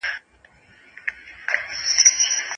ایا د ونې لاندې سیوری به تر ماښامه پاتې شي؟